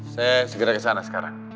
saya segera kesana sekarang